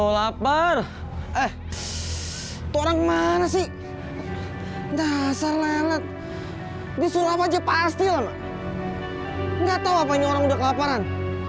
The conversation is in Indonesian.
laper eh orang mana sih dasar lelet di surabaya pasti enggak tahu apa yang udah kelaparan